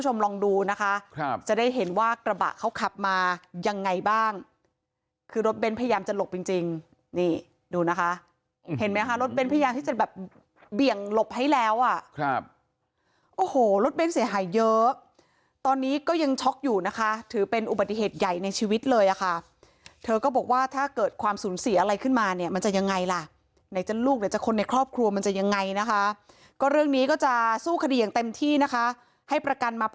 นี่ดูนะคะเห็นไหมคะรถเบนพยายามที่จะแบบเบี่ยงหลบให้แล้วอ่ะครับโอ้โหรถเบนเสียหายเยอะตอนนี้ก็ยังช็อกอยู่นะคะถือเป็นอุบัติเหตุใหญ่ในชีวิตเลยอ่ะค่ะเธอก็บอกว่าถ้าเกิดความสูญเสียอะไรขึ้นมาเนี่ยมันจะยังไงล่ะไหนจะลูกหรือจะคนในครอบครัวมันจะยังไงนะคะก็เรื่องนี้ก็จะสู้คดีอย่างเต็มที่นะคะให้ประกันมาป